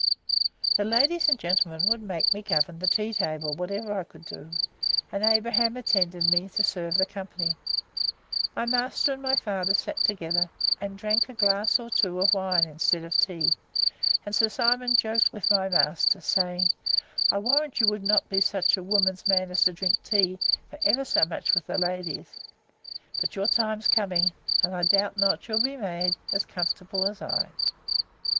The ladies and gentlemen would make me govern the tea table, whatever I could do; and Abraham attended me, to serve the company. My master and my father sat together, and drank a glass or two of wine instead of tea, and Sir Simon joked with my master, saying, I warrant you would not be such a woman's man, as to drink tea, for ever so much, with the ladies. But your time's coming, and I doubt not you'll be made as comfortable as I.